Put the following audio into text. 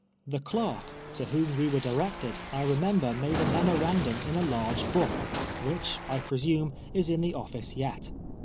The clerk, to whom we were directed, I remember, made a memorandum in a large book, which, I presume, is in the office yet.